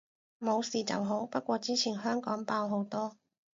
冇事就好，不過之前香港爆好多